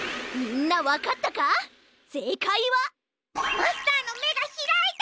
マスターのめがひらいた！